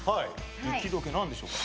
雪解け何でしょうか？